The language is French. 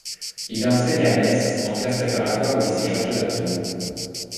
Il enseigne à Metz, en classes préparatoires au lycée Georges de la Tour.